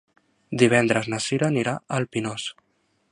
Divendres na Sira anirà al Pinós.